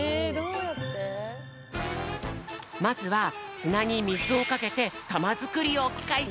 まずはすなにみずをかけてたまづくりをかいし！